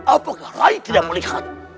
apakah rai tidak melihat